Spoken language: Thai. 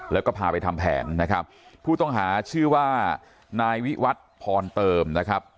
แล้วก็พาไปทำแผนนะครับผู้ต้องหาชื่อว่านายวิวัตรพรเติมนะครับ